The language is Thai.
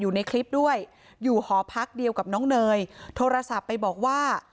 อยู่ในคลิปด้วยอยู่หอพักเดียวกับน้องเนยโทรศัพท์ไปบอกว่า